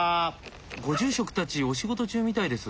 ご住職たちお仕事中みたいです。